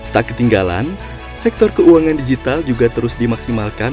tak ketinggalan sektor keuangan digital juga terus dimaksimalkan